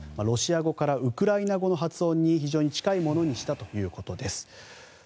ロシア語からウクライナ語の発音に非常に近いものにしたということです。